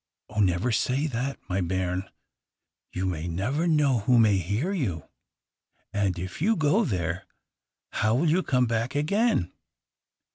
"Oh, never say that, my bairn; you never know who may hear you! And if you go there, how will you come back again?